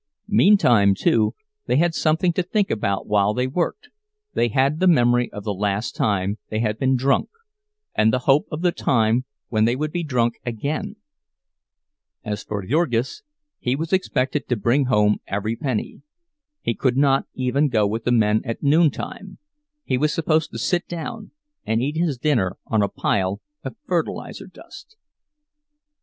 Meantime, too, they had something to think about while they worked,—they had the memory of the last time they had been drunk, and the hope of the time when they would be drunk again. As for Jurgis, he was expected to bring home every penny; he could not even go with the men at noontime—he was supposed to sit down and eat his dinner on a pile of fertilizer dust.